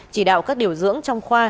chỉ đạo các điều dưỡng trong khoa